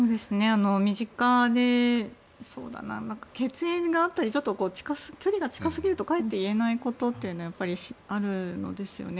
身近で、血縁があったり距離が近すぎるとかえって言えないことというのはあるんですよね。